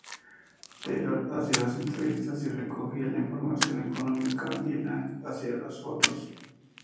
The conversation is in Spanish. Taylor hacía las entrevistas y recogía la información económica, y Lange hacía las fotos.